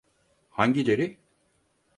Hangileri?